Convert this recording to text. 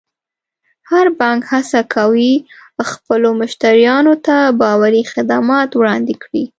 هر بانک هڅه کوي خپلو مشتریانو ته باوري خدمات وړاندې کړي.